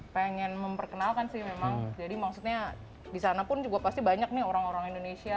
pengen memperkenalkan sih memang jadi maksudnya di sana pun juga pasti banyak nih orang orang indonesia